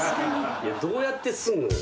どうやってすんの？